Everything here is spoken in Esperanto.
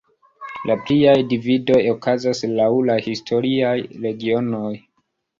La pliaj dividoj okazas laŭ la historiaj regionoj.